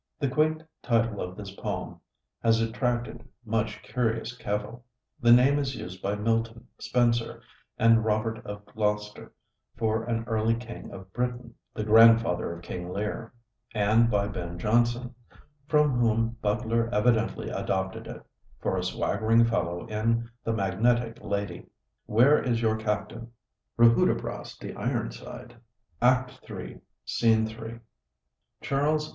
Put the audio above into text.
The quaint title of this poem has attracted much curious cavil. The name is used by Milton, Spenser, and Robert of Gloucester for an early king of Britain, the grandfather of King Lear; and by Ben Jonson from whom Butler evidently adopted it for a swaggering fellow in the 'Magnetic Lady': "Rut Where is your captain Rudhudibrass de Ironside?" Act iii., Scene 3. Charles II.